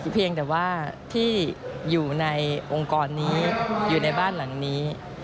เพียงแต่ว่าที่อยู่ในองค์กรนี้อยู่ในบ้านหลังนี้